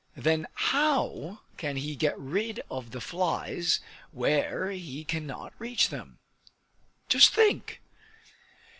Then how can he get rid of the flies where he cannot reach them? Just think!